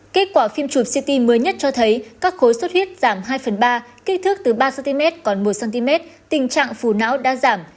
kết quả phim chụp ct mới nhất cho thấy các khối xuất huyết giảm hai phần ba kích thước từ ba cm còn một cm tình trạng phù não đã giảm